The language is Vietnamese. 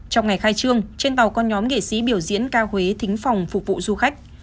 trong ngày khai trương trên tàu con nhóm nghệ sĩ biểu diễn ca huế thính phòng phục vụ du khách